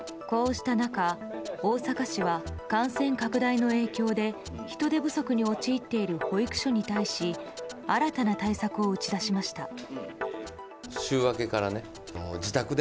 こうした中、大阪市は感染拡大の影響で人手不足に陥っている保育所に対し新たな対策を打ち出しました。